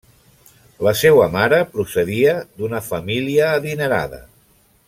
La seua mare procedia d’una família adinerada.